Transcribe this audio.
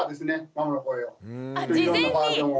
ママの声をいろんなバージョンを。